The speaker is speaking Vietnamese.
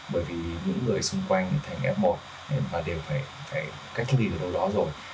bởi vì những người xung quanh thành f một và đều phải cách ly ở đâu đó rồi